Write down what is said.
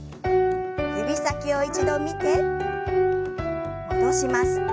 指先を一度見て戻します。